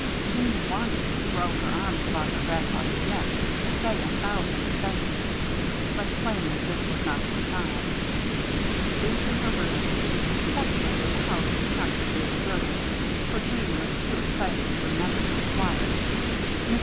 Jeanne wanted to throw her arms about her grandfather's neck, and say a thousand thank yous, but plainly this was not the time. She flew to her room. Fortunately the house was practically deserted, for Jeanne was too excited to remember to be quiet. Mr.